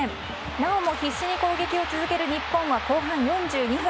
なおも必死に攻撃を続ける日本は後半４２分。